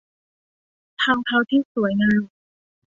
ทางเท้าที่สวยงาม